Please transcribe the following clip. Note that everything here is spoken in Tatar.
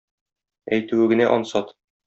Әйтүе генә ансат.